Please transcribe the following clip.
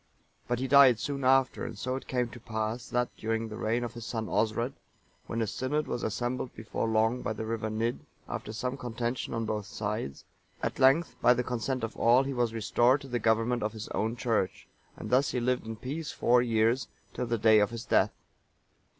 But he died soon after,(930) and so it came to pass that, during the reign of his son Osred,(931) when a synod was assembled before long by the river Nidd,(932) after some contention on both sides, at length, by the consent of all, he was restored to the government of his own church;(933) and thus he lived in peace four years, till the day of his death.